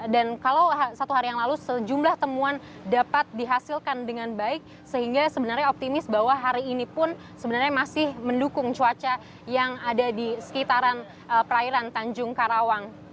dan kalau satu hari yang lalu sejumlah temuan dapat dihasilkan dengan baik sehingga sebenarnya optimis bahwa hari ini pun sebenarnya masih mendukung cuaca yang ada di sekitaran perairan tanjung karawang